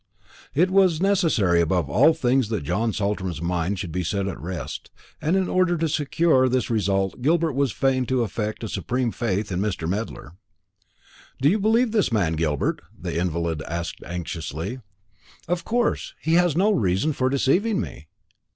It was necessary above all things that John Saltram's mind should be set at rest; and in order to secure this result Gilbert was fain to affect a supreme faith in Mr. Medler. "You believe this man, Gilbert?" the invalid asked anxiously. "Of course. He has no reason for deceiving me."